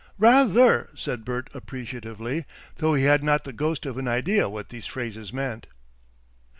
"Rather!" said Bert appreciatively, though he had not the ghost of an idea what these phrases meant.